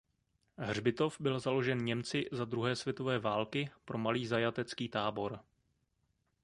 Hřbitov byl založen Němci za druhé světové války pro malý zajatecký tábor.